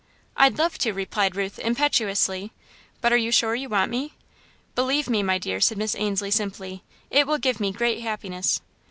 "I'd love to," replied Ruth, impetuously, "but are you sure you want me?" "Believe me, my dear," said Miss Ainslie, simply, "it will give me great happiness."